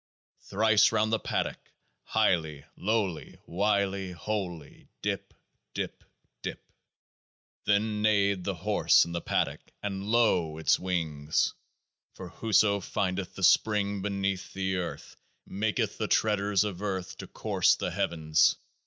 Thrice round the paddock. Highly, lowly, wily, holy, dip, dip, dip ! Then neighed the horse in the paddock — and lo ! its wings. For whoso findeth the SPRING beneath the earth maketh the treaders of earth to course the heavens.